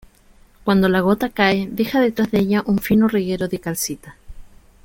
Cuando la gota cae, deja detrás de ella un fino reguero de calcita.